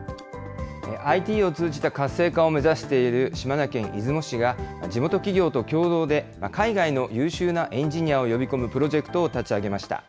ＩＴを通じた活性化を目指している島根県出雲市が、地元企業と共同で、海外の優秀なエンジニアを呼び込むプロジェクトを立ち上げました。